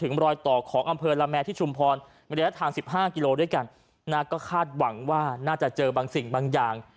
น่าจะขาดหวังว่าน่าจะเจอบางสิ่งบางอย่าง